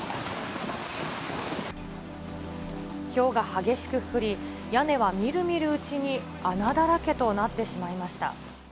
ひょうが激しく降り、屋根は見る見るうちに穴だらけとなってしまいました。